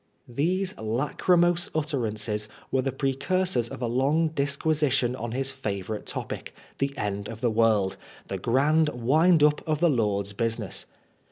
These lachrymose utterances were the pre cursors of a long disquisition on his favorite topic — the end of the world, the grand wind up of the Lord's business.